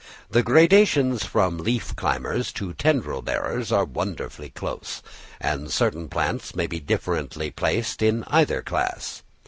The gradations from leaf climbers to tendril bearers are wonderfully close, and certain plants may be differently placed in either class.